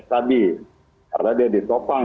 tadi karena dia ditopang